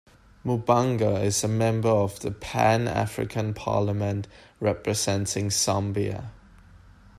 Mubanga is a member of the Pan-African Parliament representing Zambia.